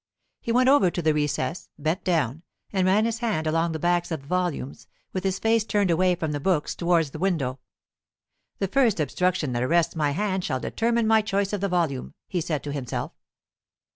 He went over to the recess, bent down, and ran his hand along the backs of the volumes, with his face turned away from the books towards the window. "The first obstruction that arrests my hand shall determine my choice of the volume," he said to himself.